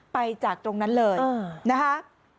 ไปจากตรงนั้นเลยนะคะ